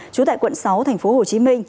chú tại quận sáu tp hcm